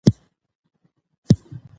لارښوونې به عملي وي.